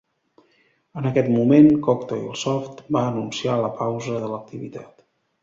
En aquest moment, Cocktail Soft va anunciar la pausa de l'activitat.